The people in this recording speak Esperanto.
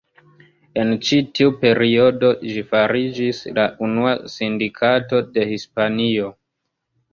En ĉi tiu periodo ĝi fariĝis la unua sindikato de Hispanio.